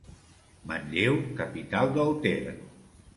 Manlleu, capital del Ter.